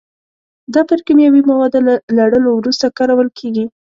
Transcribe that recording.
دا پر کیمیاوي موادو له لړلو وروسته کارول کېږي.